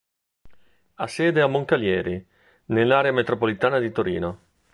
Ha sede a Moncalieri, nell'Area Metropolitana di Torino.